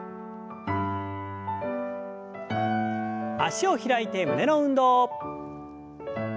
脚を開いて胸の運動。